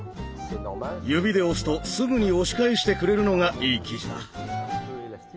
指で押すとすぐに押し返してくれるのがいい生地だ。